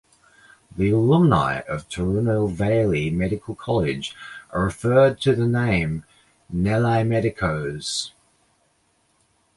The alumni of Tirunelveli Medical College are referred to by the name "Nellaimedicos".